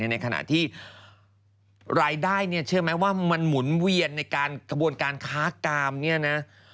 ในขณะที่รายได้เนี่ยเชื่อไหมว่ามันหมุนเวียนในการกระบวนการค้ากามเนี่ยนะ